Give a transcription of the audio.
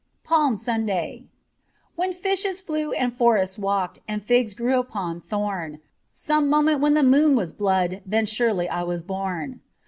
411 PALM SUNDAY WHEN fishes flew and forests walked And figs grew upon thorn, Some moment when the moon was blood Then surely I was born.